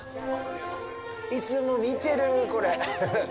いつも見てる、これ！